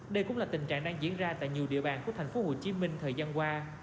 đây cũng là tình trạng đang diễn ra tại nhiều địa bàn của thành phố hồ chí minh thời gian qua